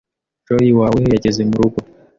Joy wawe yageze mu rugo